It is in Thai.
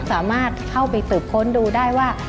สามารถเข้าไปสืบค้นดูได้ว่า